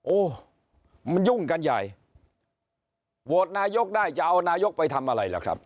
โอ้มันยุ่งกันใหญ่โหวตนายกได้จะเอานายกไปทำอะไรล่ะครับ